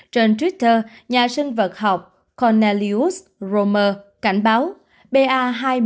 trên twitter nhà sinh vật học cornelius romer cảnh báo ba hai một hai một